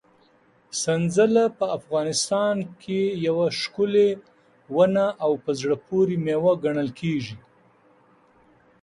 سنځله په افغانستان کې یوه ښکلې ونه او په زړه پورې مېوه ګڼل کېږي.